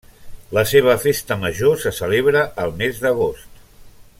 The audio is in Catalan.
La seva festa major se celebra al mes d'agost.